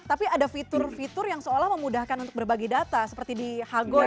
tapi ada fitur fitur yang seolah memudahkan untuk berbagi data seperti di hargon